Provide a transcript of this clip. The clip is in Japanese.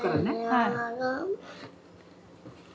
はい。